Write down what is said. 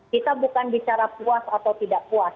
kita bukan bicara puas atau tidak puas